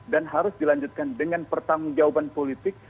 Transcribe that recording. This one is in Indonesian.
dan harus dilanjutkan dengan pertanggungjawaban politik